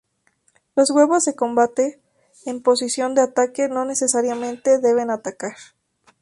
Los huevos de combate en posición de ataque no necesariamente deben atacar.